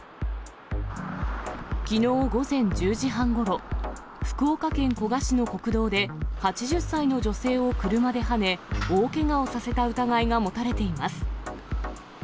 きのう午前１０時半ごろ、福岡県古賀市の国道で、８０歳の女性を車ではね、大けがをさせた疑いが持たれています。